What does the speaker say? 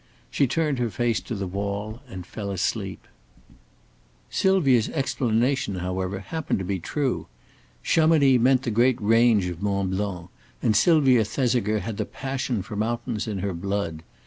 She turned her face to the wall and fell asleep. Sylvia's explanation, however, happened to be true. Chamonix meant the great range of Mont Blanc, and Sylvia Thesiger had the passion for mountains in her blood.